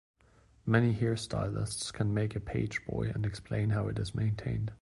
Many hairstylists can make a pageboy and explain how it is maintained.